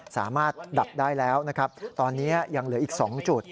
สามารถดับได้แล้วนะครับตอนนี้ยังเหลืออีก๒จุด